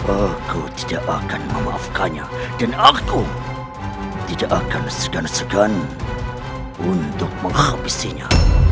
aku tidak akan memaafkannya dan aku tidak akan segan segan untuk menghabisinya